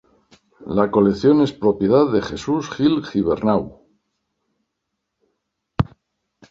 La colección es propiedad de Jesús Gil-Gibernau.